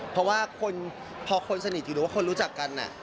เพราะว่าพอคนสนิทอยู่หรือว่าคนรู้จักกัน